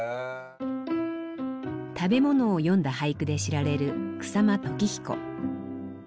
食べ物を詠んだ俳句で知られる草間時彦。